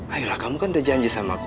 ayolah kamu kan udah janji sama aku